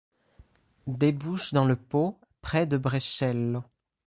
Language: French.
Débouche dans le Pô près de Brescello.